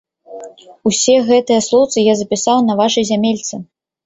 Усе гэтыя слоўцы я запісаў на вашай зямельцы.